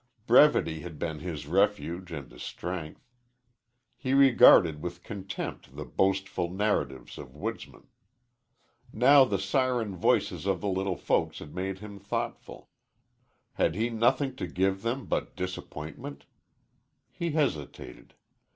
Brevity had been his refuge and his strength. He regarded with contempt the boastful narratives of woodsmen. Now the siren voices of the little folks had made him thoughtful. Had he nothing to give them but disappointment? He hesitated.